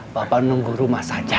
bapak nunggu rumah saja